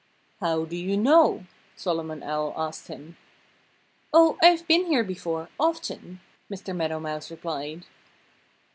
"How do you know?" Solomon Owl asked him. "Oh, I've been here before, often," Mr. Meadow Mouse replied.